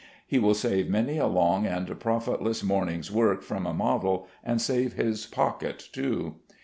He will save many a long and profitless morning's work from a model, and save his pocket too.